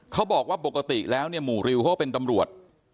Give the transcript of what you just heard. เขาบอกว่าปกติแล้วเนี่ยหมู่ริวเขาเป็นตำรวจ